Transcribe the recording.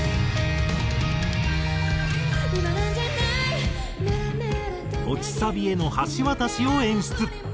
「今なんじゃない？メラメラと」落ちサビへの橋渡しを演出。